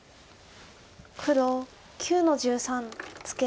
黒９の十三ツケ。